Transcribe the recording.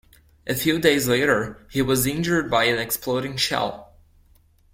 A few days later he was injured by an exploding shell.